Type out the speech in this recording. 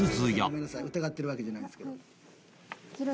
ごめんなさい疑ってるわけじゃないんですけど。